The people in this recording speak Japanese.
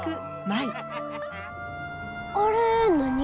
あれ何？